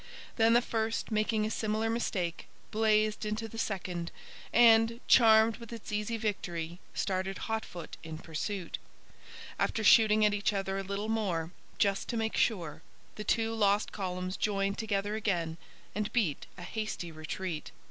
Then the first, making a similar mistake, blazed into the second, and, charmed with its easy victory, started hotfoot in pursuit. After shooting at each other a little more, just to make sure, the two lost columns joined together again and beat a hasty retreat.